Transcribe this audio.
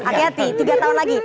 hati hati tiga tahun lagi